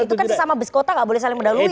itu kan sesama beskota gak boleh saling menaruhi